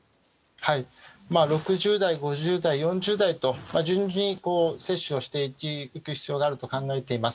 ６０代、５０代、４０代と順次に接種をしていく必要があると考えています。